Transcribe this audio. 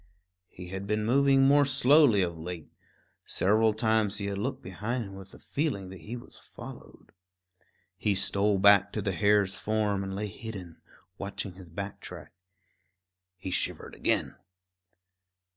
He had been moving more slowly of late; several times he had looked behind him with the feeling that he was followed. He stole back to the hare's form and lay hidden, watching his back track. He shivered again.